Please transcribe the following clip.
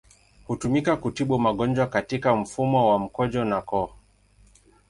Hutumika kutibu magonjwa katika mfumo wa mkojo na koo.